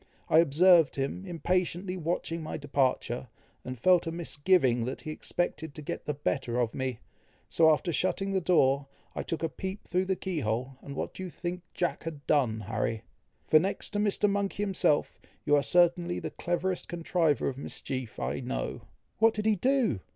I observed him impatiently watching my departure, and felt a misgiving that he expected to get the better of me; so after shutting the door, I took a peep through the key hole, and what do you think Jack had done, Harry? for, next to Mr. Monkey himself, you are certainly the cleverest contriver of mischief I know." "What did he do?"